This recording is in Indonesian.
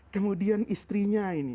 kemudian istrinya ini